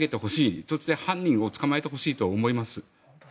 そして、犯人を捕まえてほしいと思います。